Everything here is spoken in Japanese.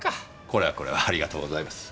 これはこれはありがとうございます。